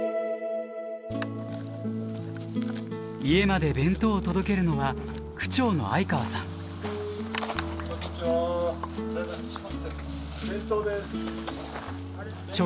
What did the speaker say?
家まで弁当を届けるのはこんにちは。